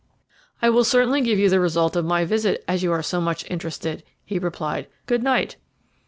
"I will certainly give you the result of my visit, as you are so much interested," he replied. "Good night."